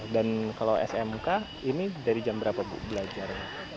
dan kalau smk ini dari jam berapa bu belajar